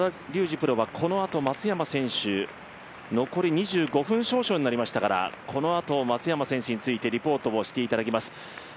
プロはこのあと松山選手、残り２５分少々になりましたからこのあと松山選手についてリポートをしていただきます。